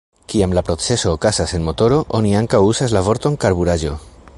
Kiam la procezo okazas en motoro, oni ankaŭ uzas la vorton karburaĵo.